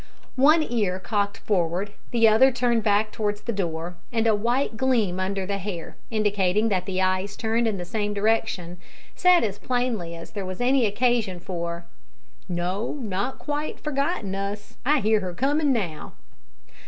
One ear cocked forward, the other turned back towards the door, and a white gleam under the hair, indicating that the eyes turned in the same direction, said as plainly as there was any occasion for "No; not quite forgotten us. I hear her coming now."